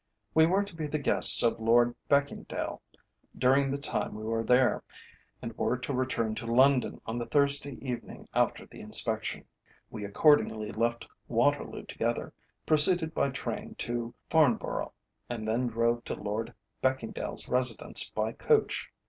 We were to be the guests of Lord Beckingdale during the time we were there, and were to return to London on the Thursday evening after the inspection. We accordingly left Waterloo together, proceeded by train to Farnborough, and then drove to Lord Beckingdale's residence by coach.